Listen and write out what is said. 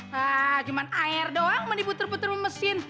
hah cuma air doang yang dibuter muter mesin